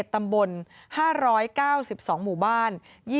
ตำบล๕๙๒หมู่บ้าน